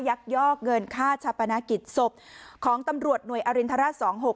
ยักยอกเงินค่าชาปนกิจศพของตำรวจหน่วยอรินทราช๒๖